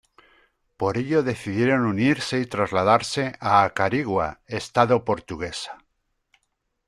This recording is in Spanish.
Por ello decidieron unirse y trasladarse a Acarigua, Estado Portuguesa.